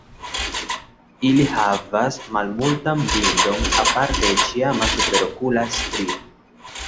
Ili havas malmultan bildon aparte el ĉiama superokula strio.